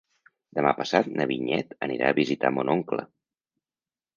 Demà passat na Vinyet anirà a visitar mon oncle.